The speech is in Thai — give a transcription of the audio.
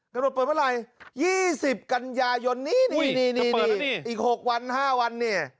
ตำรวจเปิดเมื่อไหร่๒๐กันยายนนี้นี่อีก๖วัน๕วันเนี่ย